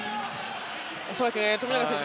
恐らく富永選手